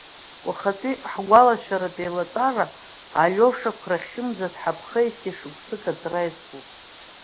Уахатәи ҳгәалашәаратә еилатәара, Алиоша қәрахьымӡа дҳаԥхеижьҭеи шықәсык аҵра иазкуп.